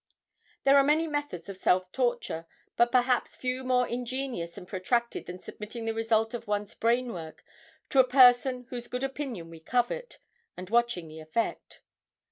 There are many methods of self torture, but perhaps few more ingenious and protracted than submitting the result of one's brain work to a person whose good opinion we covet, and watching the effect.